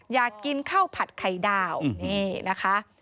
อยากกินข้าวผัดไข่ดาวนี่นะคะ